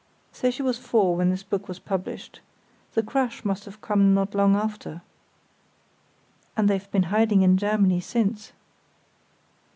"Say she was four when this book was published. The crash must have come not long after." "And they've been hiding in Germany since.